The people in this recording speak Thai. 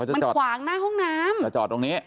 มันขวางหน้าห้องน้ำมาจอดตรงนี้